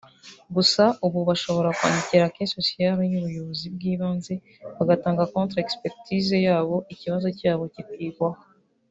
Gusa ubu bashobora kwandikira Caisse Sociale n’ubuyobozi bw’ibanze bagatanga contre expectise yabo ikibazo cyabo kikigwaho